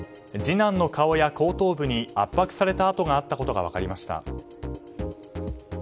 次男の顔や後頭部に圧迫された痕があったことが分かりました。